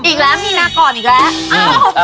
อีกแล้วมีนาก่อนอีกแล้ว